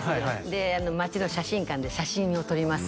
で町の写真館で写真を撮ります